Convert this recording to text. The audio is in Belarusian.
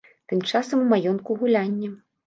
Тым часам у маёнтку гулянне.